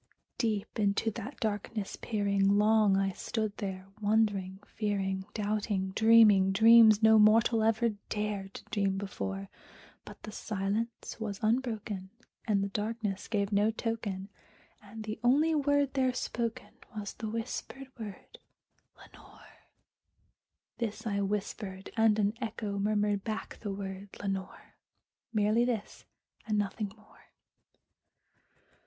Deep into that darkness peering, long I stood there wondering, fearing, Doubting, dreaming dreams no mortal ever dared to dream before; But the silence was unbroken, and the darkness gave no token, And the only word there spoken was the whispered word, "Lenore!" This I whispered, and an echo murmured back the word, "Lenore!" Merely this and nothing more.